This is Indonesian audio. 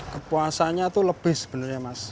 kepuasannya itu lebih sebenarnya mas